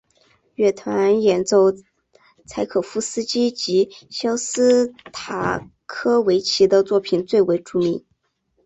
乐团演奏柴可夫斯基及肖斯塔科维奇的作品最为著名。